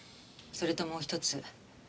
それともう一つ。